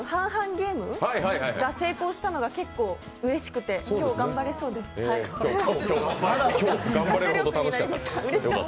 ゲームが成功したのが結構うれしくて今日頑張れるほどうれしかった？